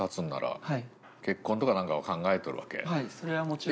それはもちろん。